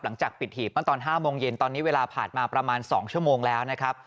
หลังจากปิดหีบมาตอน๕โมงเย็นตอนนี้เวลาผ่านมาประมาณ๒ชั่วโมงแล้วนะครับ